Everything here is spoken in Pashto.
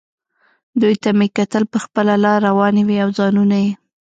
دوی ته مې کتل، پر خپله لار روانې وې او ځانونه یې.